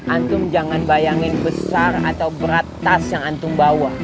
antum jangan bayangin besar atau berat tas yang antum bawah